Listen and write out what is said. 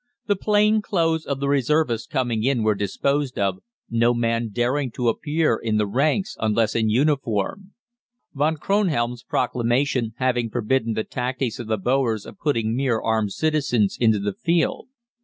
The plain clothes of the reservists coming in were disposed of, no man daring to appear in the ranks unless in uniform. Von Kronhelm's proclamation having forbidden the tactics of the Boers of putting mere armed citizens into the field.